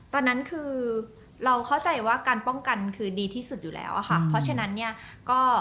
ตอนนั้นคือเราเข้าใจว่าการป้องกันดีที่สุดเก่าและนะคะ